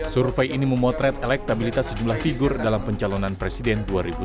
survei ini memotret elektabilitas sejumlah figur dalam pencalonan presiden dua ribu sembilan belas